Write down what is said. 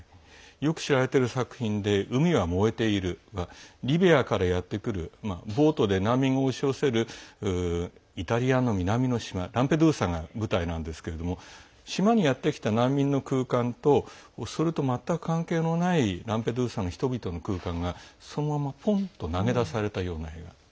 よく知られている作品で「海は燃えている」はリビアからやって来るボートで難民が押し寄せるイタリアの南の島ランペドゥーサが舞台なんですけど島にやってきた難民の空間とそれと全く関係ないランペドゥーサの人々の空間がそのままぽんと投げ出されたような映画。